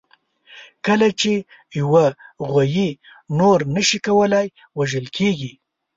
کله چې یوه غویي نور نه شي کولای، وژل کېږي.